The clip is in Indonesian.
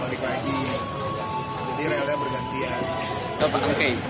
jadi relnya bergantian